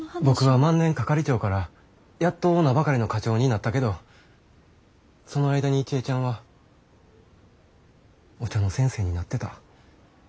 僕は万年係長からやっと名ばかりの課長になったけどその間に一恵ちゃんはお茶の先生になってた。